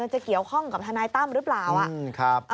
จะเกี่ยวข้องกับทนายตั้มหรือเปล่า